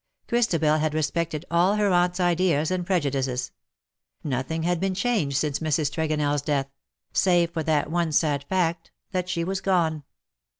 Christabel had respected all her aunt^s ideas and prejudices : nothing had been changed since Mrs. TregonelFs death — save for that one sad fact that she was gone.